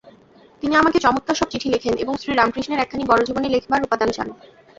তিনি আমাকে চমৎকার সব চিঠি লেখেন এবং শ্রীরামকৃষ্ণের একখানি বড় জীবনী লেখবার উপাদান চান।